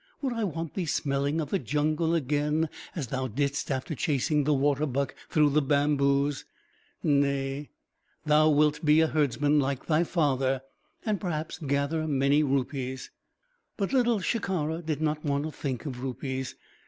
Would I want thee smelling of the jungle again, as thou didst after chasing the water buck through the bamboos? Nay thou wilt be a herdsman, like thy father and perhaps gather many rupees." But Little Shikara did not want to think of rupees.